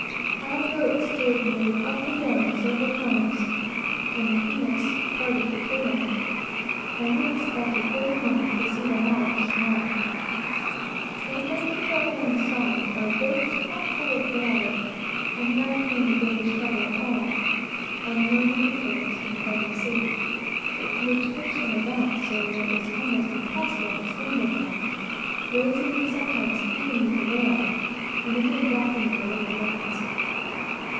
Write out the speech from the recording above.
Our boat stood nearly up and down several times; the pinnace parted her towline, and we expected every moment to see the launch swamped. We at length got alongside, our boats half full of water; and now came the greatest difficulty of all, unloading the boats, in a heavy sea, which pitched them about so that it was almost impossible to stand in them; raising them sometimes even with the rail, and again dropping them below the bends.